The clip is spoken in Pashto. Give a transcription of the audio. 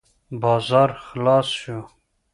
بازار خلاص شو.